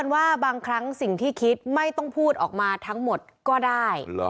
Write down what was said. ว่าบางครั้งสิ่งที่คิดไม่ต้องพูดออกมาทั้งหมดก็ได้